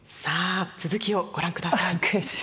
さあ続きをご覧下さい。